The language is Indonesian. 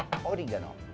yang ada di sana